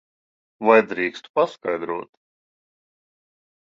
Vai drīkstu paskaidrot?